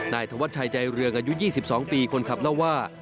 ธวัชชัยใจเรืองอายุ๒๒ปีคนขับเล่าว่า